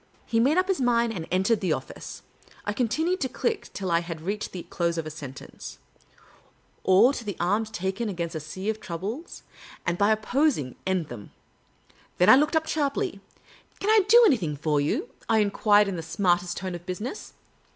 He made up his mind, and entered the office. I continued to click till I had reached the close of a sentence —" Or to take arms against a sea of troubles, and by opposing, end them." Then I looke ^ up sharply. "Can I do anything for you ?" I enquired, in the smartest tone of business.